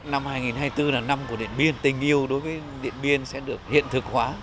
năm hai nghìn hai mươi bốn là năm của điện biên tình yêu đối với điện biên sẽ được hiện thực hóa